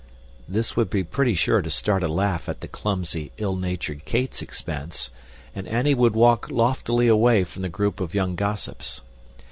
This would be pretty sure to start a laugh at the clumsy, ill natured Kate's expense, and Annie would walk loftily away from the group of young gossips.